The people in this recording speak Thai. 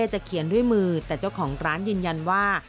จะเขียนด้วยมือแต่เจ้าของร้านยืนยันว่า